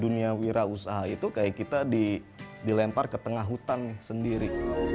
dunia wira usaha itu kayak kita dilempar ke tengah hutan sendiri